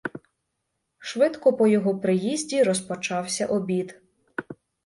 Швидко по його приїзді розпочався обід.